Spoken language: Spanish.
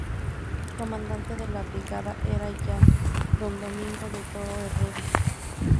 Comandante de la Brigada era ya don Domingo de Toro Herrera.